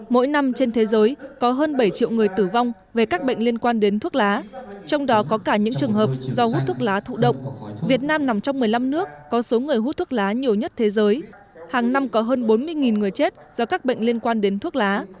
mỗi năm trên thế giới có hơn bảy triệu người tử vong về các bệnh liên quan đến thuốc lá trong đó có cả những trường hợp do hút thuốc lá thụ động việt nam nằm trong một mươi năm nước có số người hút thuốc lá nhiều nhất thế giới hàng năm có hơn bốn mươi người chết do các bệnh liên quan đến thuốc lá